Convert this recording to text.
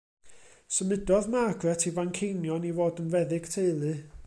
Symudodd Margaret i Fanceinion i fod yn feddyg teulu.